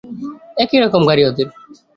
একই রকম গাড়ি ওদের।